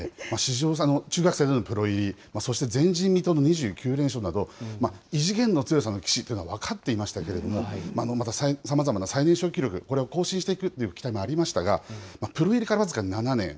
中学生でのプロ入り、そして前人未到の２９連勝など、異次元の強さの棋士というのは分かっていましたけれども、またさまざまな最年少記録、これを更新していくっていう期待もありましたが、プロ入りから僅か７年。